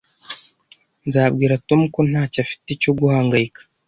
Nzabwira Tom ko ntacyo afite cyo guhangayika